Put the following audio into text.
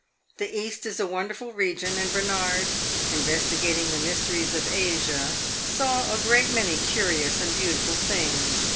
The East is a wonderful region, and Bernard, investigating the mysteries of Asia, saw a great many curious and beautiful things.